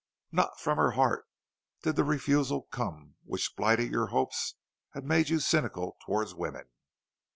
Not from her heart did the refusal come which blighted your hopes and made you cynical towards women.